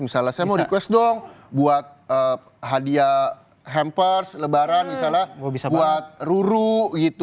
misalnya saya mau request dong buat hadiah hampers lebaran misalnya buat ruru gitu